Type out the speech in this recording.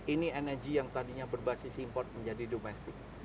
ini energi yang tadinya berbasis import menjadi domestik